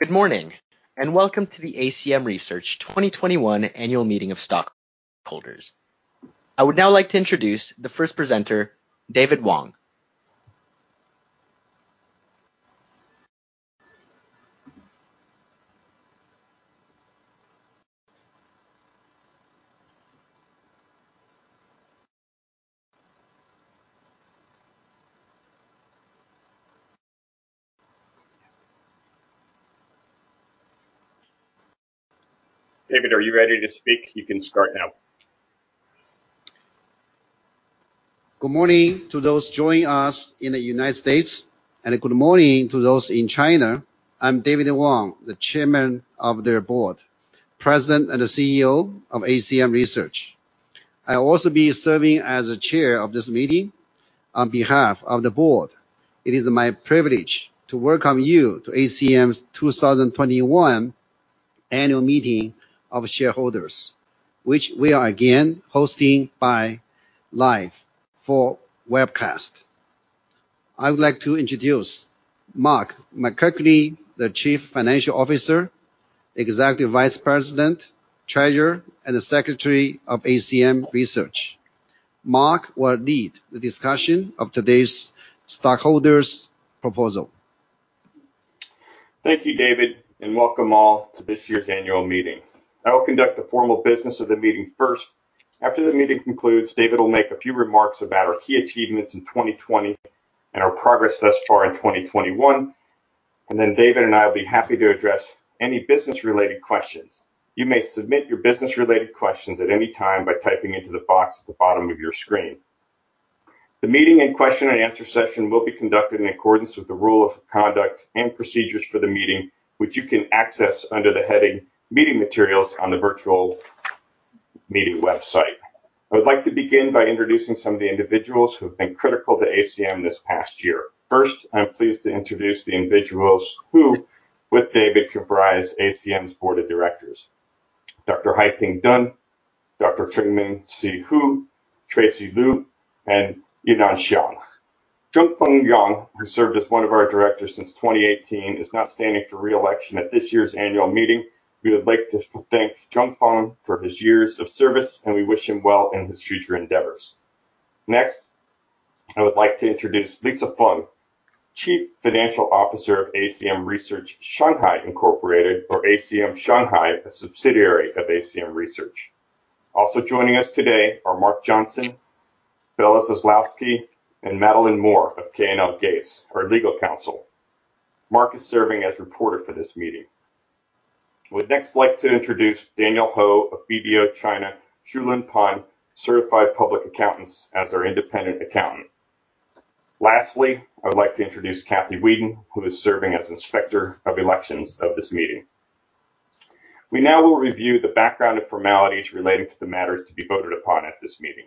Good morning, and welcome to the ACM Research 2021 Annual Meeting of Stockholders. I would now like to introduce the first presenter, David Wang. David, are you ready to speak? You can start now. Good morning to those joining us in the United States, and good morning to those in China. I'm David Wang, the Chairman of the Board, President, and CEO of ACM Research. I'll also be serving as the chair of this meeting on behalf of the board. It is my privilege to welcome you to ACM's 2021 Annual Meeting of Shareholders, which we are again hosting by live for webcast. I would like to introduce Mark McKechnie, the Chief Financial Officer, Executive Vice President, Treasurer, and Secretary of ACM Research. Mark will lead the discussion of today's stockholders proposal. Thank you, David. Welcome all to this year's annual meeting. I will conduct the formal business of the meeting first. After the meeting concludes, David will make a few remarks about our key achievements in 2020 and our progress thus far in 2021. David and I will be happy to address any business-related questions. You may submit your business-related questions at any time by typing into the box at the bottom of your screen. The meeting and question and answer session will be conducted in accordance with the rule of conduct and procedures for the meeting, which you can access under the heading Meeting Materials on the virtual meeting website. I would like to begin by introducing some of the individuals who have been critical to ACM this past year. First, I'm pleased to introduce the individuals who, with David, comprise ACM's board of directors. Dr. Haiping Dun, Dr. Chenming C. Hu, Tracy Liu, and Yinan Xiang. Zhengfan Yang, who served as one of our directors since 2018, is not standing for re-election at this year's annual meeting. We would like to thank Zhengfan for his years of service, and we wish him well in his future endeavors. I would like to introduce Lisa Feng, Chief Financial Officer of ACM Research (Shanghai), Inc. or ACM Shanghai, a subsidiary of ACM Research. Also joining us today are Mark Johnson, Bella Zaslavsky, and Madeline Moore of K&L Gates, our legal counsel. Mark is serving as reporter for this meeting. We'd next like to introduce Daniel Ho of BDO China Shu Lun Pan Certified Public Accountants LLP as our independent accountant. I would like to introduce Kathryn Weeden, who is serving as Inspector of Elections of this meeting. We now will review the background and formalities relating to the matters to be voted upon at this meeting.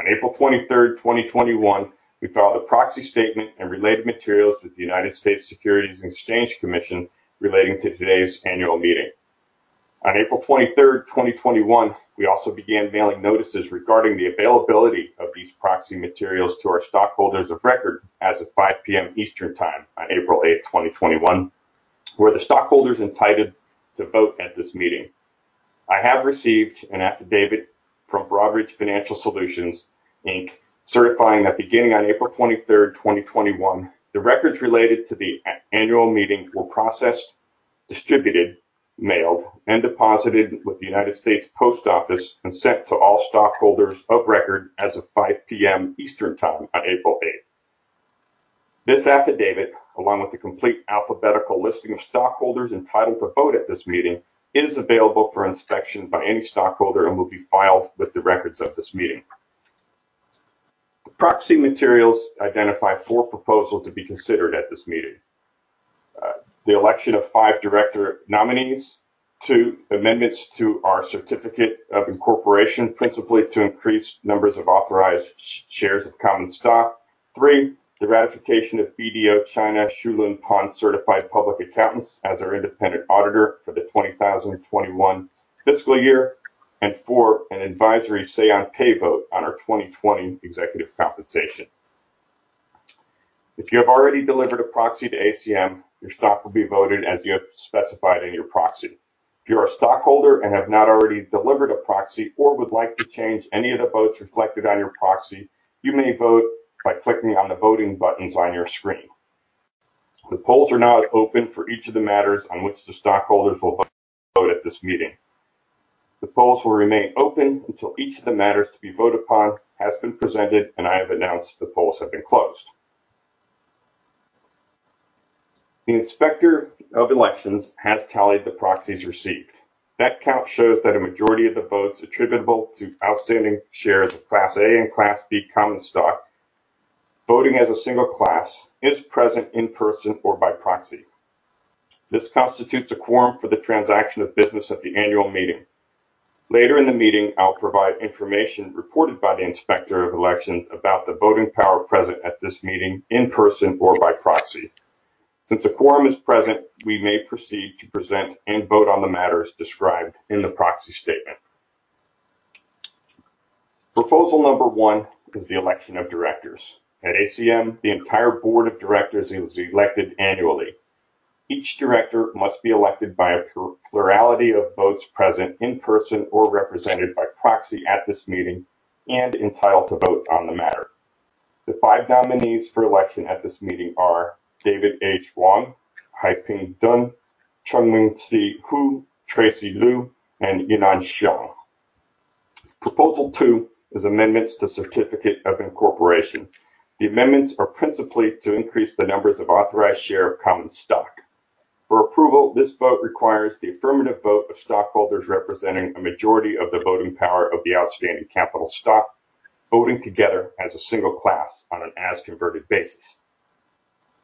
On April 23, 2021, we filed a proxy statement and related materials with the United States Securities and Exchange Commission relating to today's annual meeting. On April 23, 2021, we also began mailing notices regarding the availability of these proxy materials to our stockholders of record as of 5:00 P.M. Eastern Time on April 8, 2021, were the stockholders entitled to vote at this meeting. I have received an affidavit from Broadridge Financial Solutions, Inc., certifying that beginning on April 23, 2021, the records related to the annual meeting were processed, distributed, mailed, and deposited with the United States Post Office and sent to all stockholders of record as of 5:00 P.M. Eastern Time on April 8. This affidavit, along with the complete alphabetical listing of stockholders entitled to vote at this meeting, is available for inspection by any stockholder and will be filed with the records of this meeting. The proxy materials identify four proposals to be considered at this meeting. The election of five director nominees. Two, amendments to our certificate of incorporation, principally to increase numbers of authorized shares of common stock. Three, the ratification of BDO China Shu Lun Pan Certified Public Accountants as our independent auditor for the 2021 fiscal year. Four, an advisory say on pay vote on our 2020 executive compensation. If you have already delivered a proxy to ACM, your stock will be voted as you have specified in your proxy. If you're a stockholder and have not already delivered a proxy or would like to change any of the votes reflected on your proxy, you may vote by clicking on the voting buttons on your screen. The polls are now open for each of the matters on which the stockholders will vote at this meeting. The polls will remain open until each of the matters to be voted upon has been presented, and I have announced the polls have been closed. The Inspector of Elections has tallied the proxies received. That count shows that a majority of the votes attributable to outstanding shares of Class A and Class B common stock voting as a single class is present in person or by proxy. This constitutes a quorum for the transaction of business at the annual meeting. Later in the meeting, I'll provide information reported by the Inspector of Elections about the voting power present at this meeting in person or by proxy. Since a quorum is present, we may proceed to present and vote on the matters described in the proxy statement. Proposal number 1 is the election of directors. At ACM, the entire board of directors is elected annually. Each director must be elected by a plurality of votes present in person or represented by proxy at this meeting and entitled to vote on the matter. The five nominees for election at this meeting are David Wang, Haiping Dun, Chenming C. Hu, Tracy Liu, and Yinan Xiang. Proposal 2 is amendments to certificate of incorporation. The amendments are principally to increase the numbers of authorized share of common stock. For approval, this vote requires the affirmative vote of stockholders representing a majority of the voting power of the outstanding capital stock, voting together as a single class on an as-converted basis.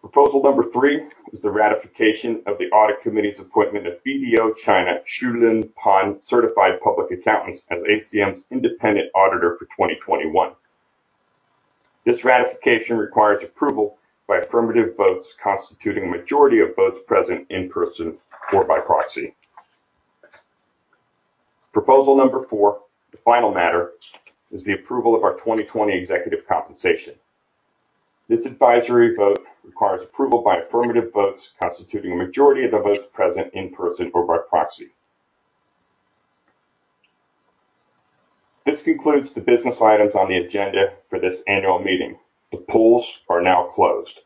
Proposal number 3 is the ratification of the Audit Committee's appointment of BDO China Shu Lun Pan Certified Public Accountants as ACM's independent auditor for 2021. This ratification requires approval by affirmative votes constituting a majority of votes present in person or by proxy. Proposal number 4, the final matter, is the approval of our 2020 executive compensation. This advisory vote requires approval by affirmative votes constituting a majority of the votes present in person or by proxy. This concludes the business items on the agenda for this annual meeting. The polls are now closed.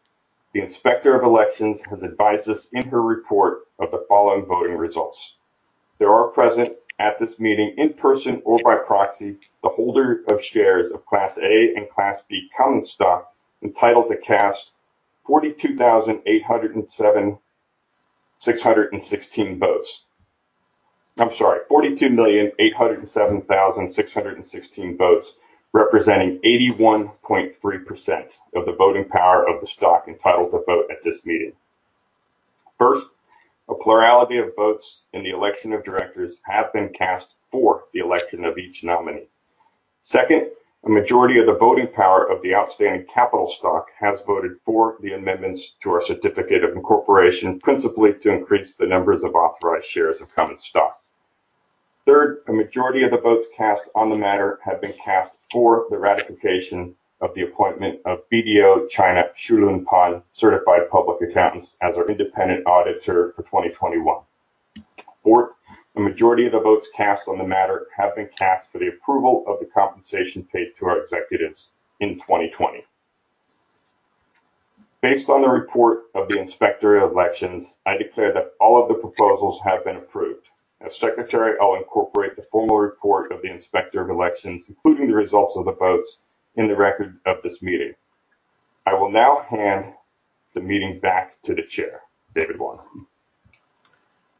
The Inspector of Elections has advised us in her report of the following voting results. There are present at this meeting, in person or by proxy, the holder of shares of Class A and Class B common stock, entitled to cast 42,807,616 votes. I'm sorry, 42,807,616 votes, representing 81.3% of the voting power of the stock entitled to vote at this meeting. First, a plurality of votes in the election of directors have been cast for the election of each nominee. Second, a majority of the voting power of the outstanding capital stock has voted for the amendments to our certificate of incorporation, principally to increase the numbers of authorized shares of common stock. Third, a majority of the votes cast on the matter have been cast for the ratification of the appointment of BDO China Shu Lun Pan Certified Public Accountants as our independent auditor for 2021. Fourth, a majority of the votes cast on the matter have been cast for the approval of the compensation paid to our executives in 2020. Based on the report of the Inspector of Elections, I declare that all of the proposals have been approved. As Secretary, I'll incorporate the formal report of the Inspector of Elections, including the results of the votes, in the record of this meeting. I will now hand the meeting back to the Chair, David Wang.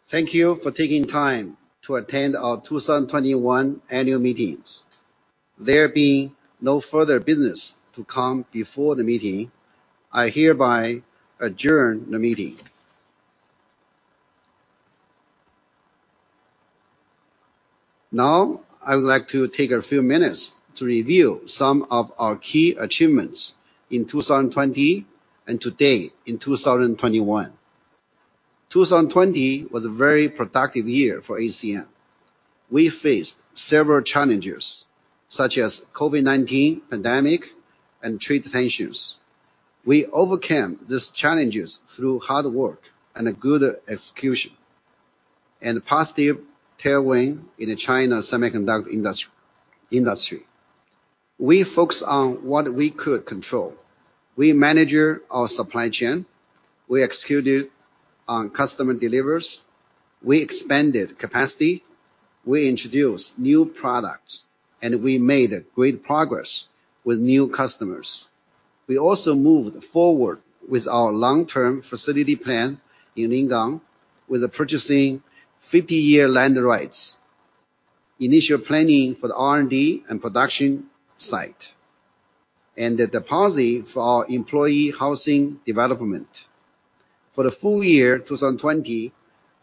Thank you for taking time to attend our 2021 annual meetings. There being no further business to come before the meeting, I hereby adjourn the meeting. Now, I would like to take a few minutes to review some of our key achievements in 2020 and to date in 2021. 2020 was a very productive year for ACM. We faced several challenges, such as COVID-19 pandemic and trade tensions. We overcame these challenges through hard work and a good execution, and a positive tailwind in the China semiconductor industry. We focused on what we could control. We managed our supply chain, we executed on customer deliveries, we expanded capacity, we introduced new products, and we made great progress with new customers. We also moved forward with our long-term facility plan in Lingang with purchasing 50-year land rights, initial planning for the R&D and production site, and the deposit for our employee housing development. For the full year 2020,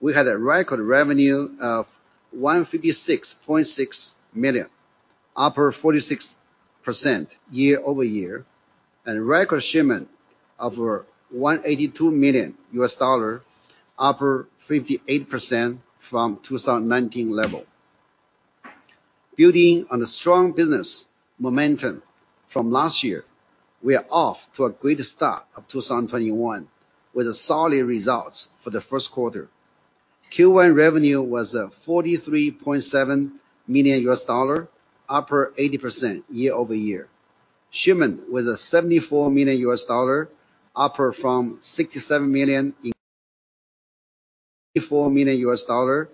we had a record revenue of $156.6 million, up 46% year-over-year, and record shipment of $182 million, up 58% from 2019 level. Building on the strong business momentum from last year, we are off to a great start of 2021 with solid results for the Q1. Q1 revenue was $43.7 million, up 80% year-over-year. Shipment was $74 million, up from $67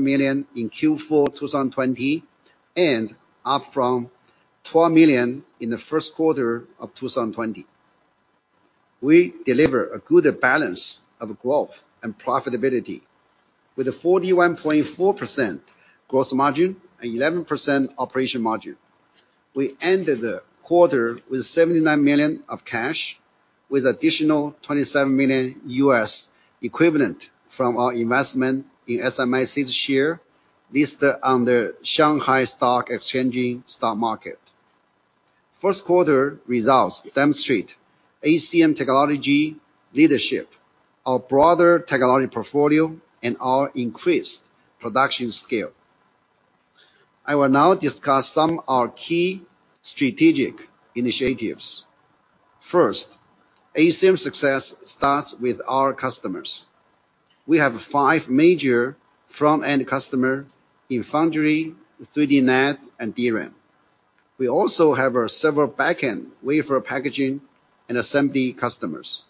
million in Q4 2020, and up from $12 million in the Q1 of 2020. We deliver a good balance of growth and profitability with a 41.4% gross margin and 11% operating margin. We ended the quarter with $79 million of cash with additional $27 million U.S. equivalent from our investment in SMIC's share, listed under Shanghai Stock Exchange STAR Market. Q1 results demonstrate ACM technology leadership, our broader technology portfolio, and our increased production scale. I will now discuss some of our key strategic initiatives. First, ACM success starts with our customers. We have five major front-end customer in foundry, 3D NAND, and DRAM. We also have several back-end wafer packaging and assembly customers.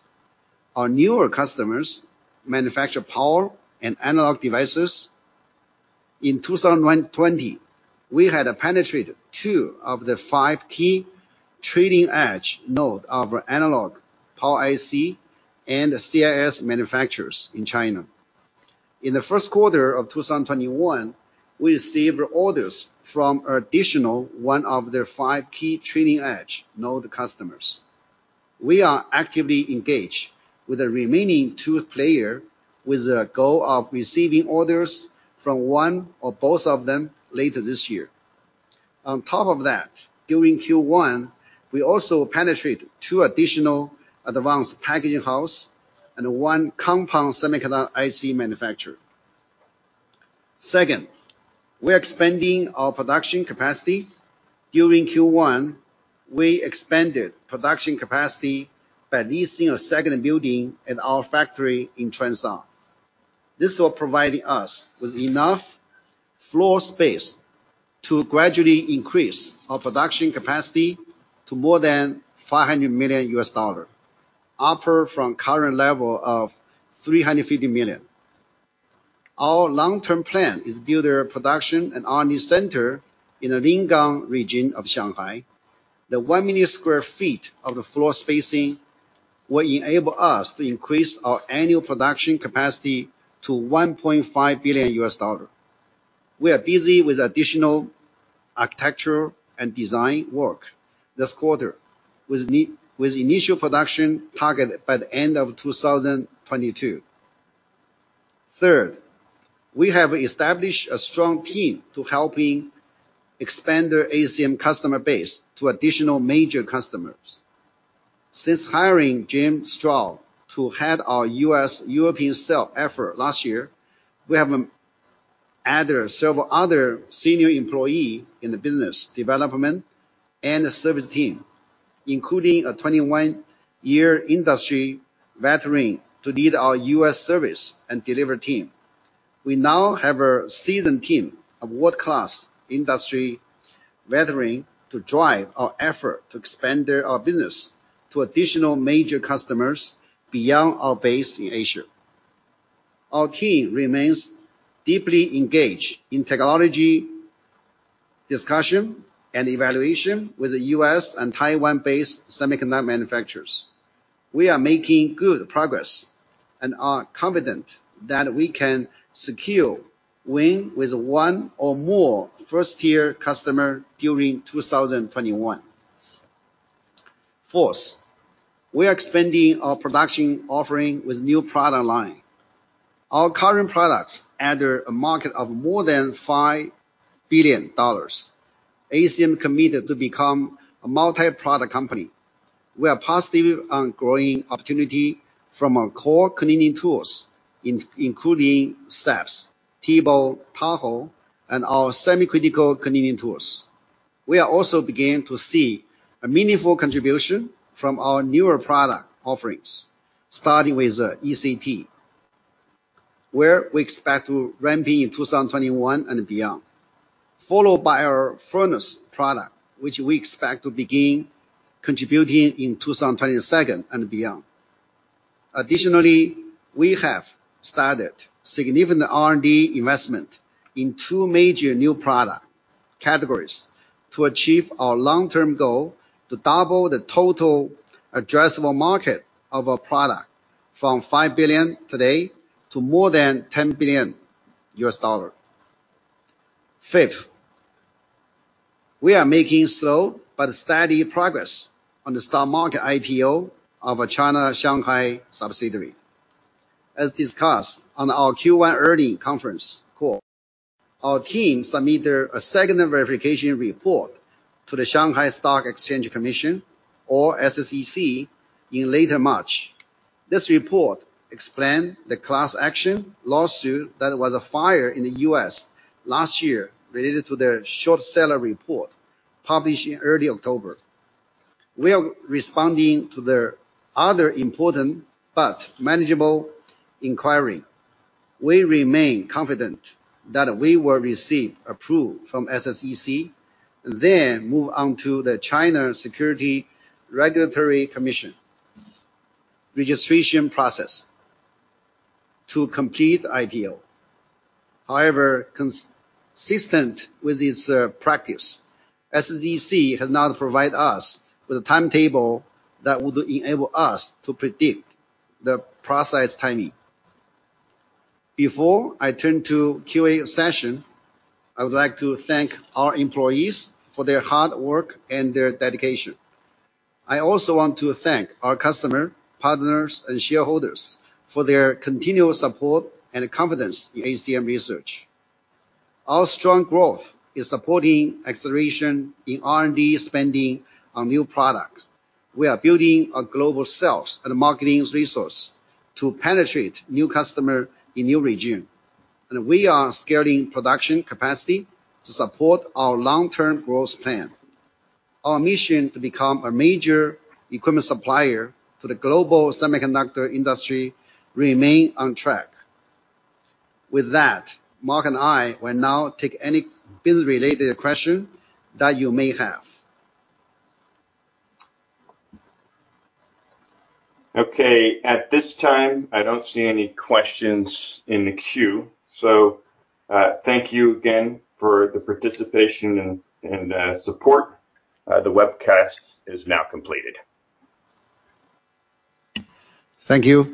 Our newer customers manufacture power and analog devices. In 2020, we had penetrated two of the five key trailing-edge node of analog power IC and CIS manufacturers in China. In the Q1 of 2021, we received orders from additional one of the five key trailing-edge node customers. We are actively engaged with the remaining two players, with the goal of receiving orders from one or both of them later this year. On top of that, during Q1, we also penetrated two additional advanced packaging houses and one compound semiconductor IC manufacturer. Second, we are expanding our production capacity. During Q1, we expanded production capacity by leasing a second building at our factory in Changsha. This will provide us with enough floor space to gradually increase our production capacity to more than $500 million, up from current level of $350 million. Our long-term plan is to build a production and R&D center in the Lingang region of Shanghai. The 1 million square feet of floor spacing will enable us to increase our annual production capacity to $1.5 billion. We are busy with additional architectural and design work this quarter, with initial production targeted by the end of 2022. Third, we have established a strong team to helping expand the ACM customer base to additional major customers. Since hiring Jim Straub to head our U.S. European sales effort last year, we have added several other senior employees in the business development and service team, including a 21-year industry veteran to lead our U.S. service and delivery team. We now have a seasoned team of world-class industry veterans to drive our effort to expand our business to additional major customers beyond our base in Asia. Our team remains deeply engaged in technology discussion and evaluation with the U.S. and Taiwan-based semiconductor manufacturers. We are making good progress and are confident that we can secure wins with one or more first-tier customers during 2021. Fourth, we are expanding our production offering with new product line. Our current products enter a market of more than $5 billion. ACM committed to become a multi-product company. We are positive on growing opportunity from our core cleaning tools, including SAPS, TEBO, Tahoe, and our semi-critical cleaning tools. We are also beginning to see a meaningful contribution from our newer product offerings, starting with ECP, where we expect to ramp in 2021 and beyond, followed by our furnace product, which we expect to begin contributing in 2022 and beyond. Additionally, we have started significant R&D investment in two major new product categories to achieve our long-term goal to double the total addressable market of our product from $5 billion today to more than $10 billion. Fifth, we are making slow but steady progress on the stock market IPO of our China Shanghai subsidiary. As discussed on our Q1 earnings conference call, our team submitted a second verification report to the Shanghai Stock Exchange, or SSE, in late March. This report explained the class action lawsuit that was filed in the U.S. last year related to their short seller report published in early October. We are responding to their other important but manageable inquiry. We remain confident that we will receive approval from SSE, then move on to the China Securities Regulatory Commission registration process to complete IPO. Consistent with its practice, SSE has not provided us with a timetable that would enable us to predict the process timing. Before I turn to Q&A session, I would like to thank our employees for their hard work and their dedication. I also want to thank our customer, partners, and shareholders for their continual support and confidence in ACM Research. Our strong growth is supporting acceleration in R&D spending on new products. We are building our global sales and marketing resource to penetrate new customer in new region. We are scaling production capacity to support our long-term growth plan. Our mission to become a major equipment supplier to the global semiconductor industry remains on track. With that, Mark and I will now take any business-related question that you may have. Okay. At this time, I don't see any questions in the queue. Thank you again for the participation and support. The webcast is now completed. Thank you.